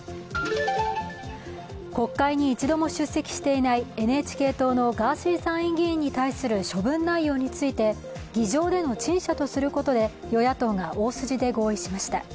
国会に一度も出席していないＮＨＫ党のガーシー参院議員に対する処分内容について、議場での陳謝とすることで与野党が大筋で合意しました。